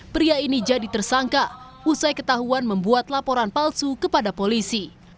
pria ini jadi tersangka usai ketahuan membuat laporan palsu kepada polisi